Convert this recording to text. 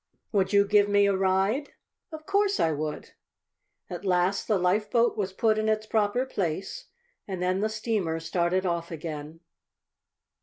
"Would you give me a ride?" "Of course I would!" At last the lifeboat was put in its proper place, and then the steamer started off again.